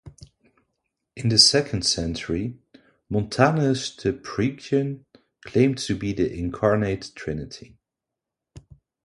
In the second century Montanus the Phrygian claimed to be the incarnate Trinity.